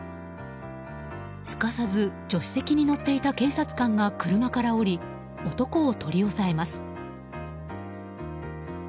すかさず助手席に乗っていた警察官が車から降り、男を取り押さえます。